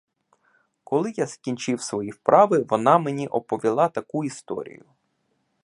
Коли я скінчив свої вправи, вона мені оповіла таку історію.